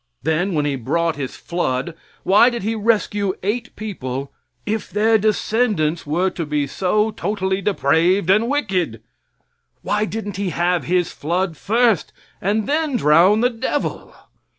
Then when He brought His flood why did He rescue eight people if their descendants were to be so totally depraved and wicked? Why didn't He have His flood first, and then drown the devil?